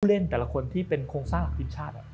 เล่นแต่ละคนที่เป็นโครงสร้างหลักทีมชาติ